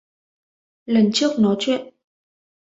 Lần trước nó chuyện